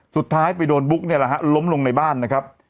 สุดท้ายไปโดนบุ๊กเนี่ยแหละฮะล้มลงในบ้านนะครับ